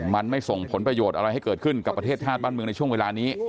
มันไม่ส่งผลประโยชน์อะไรให้เกิดขึ้นกับประเทศชาติบ้านเมืองในช่วงเวลานี้